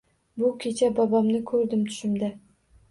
Bu kecha bobomni koʻrdim tushimda –